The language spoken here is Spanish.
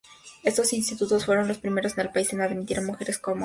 Estos institutos fueron los primeros en el país en admitir a mujeres com alumnas.